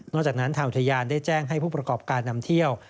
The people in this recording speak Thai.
จากนั้นทางอุทยานได้แจ้งให้ผู้ประกอบการนำเที่ยว